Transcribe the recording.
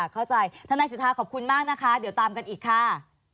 ทนายสิทธาขอบคุณมากนะคะเดี๋ยวตามกันอีกค่ะ